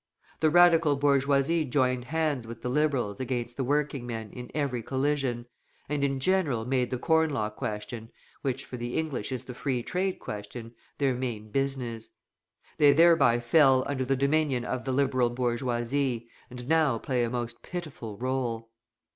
The Radical bourgeoisie joined hands with the Liberals against the working men in every collision, and in general made the Corn Law question, which for the English is the Free Trade question, their main business. They thereby fell under the dominion of the Liberal bourgeoisie, and now play a most pitiful role.